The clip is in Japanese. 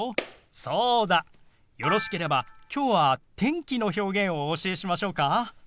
そうだよろしければきょうは天気の表現をお教えしましょうか？